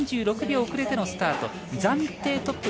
３６秒遅れてのスタート。